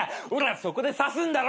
そこで差すんだろ！